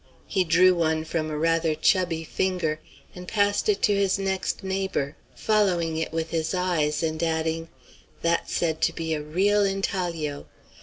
He drew one from a rather chubby finger, and passed it to his next neighbor, following it with his eyes, and adding: "That's said to be a real intaglio.